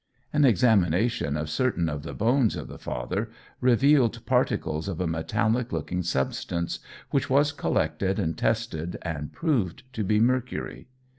An examination of certain of the bones of the father revealed particles of a metallic looking substance, which was collected and tested, and proved to be mercury.